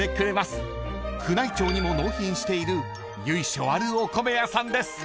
［宮内庁にも納品している由緒あるお米屋さんです］